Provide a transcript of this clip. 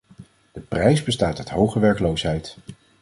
De prijs bestaat uit hoge werkloosheid.